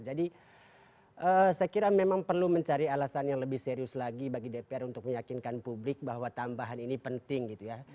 jadi saya kira memang perlu mencari alasan yang lebih serius lagi bagi dpr untuk meyakinkan publik bahwa tambahan ini penting gitu ya